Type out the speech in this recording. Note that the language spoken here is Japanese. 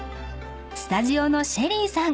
［スタジオのＳＨＥＬＬＹさん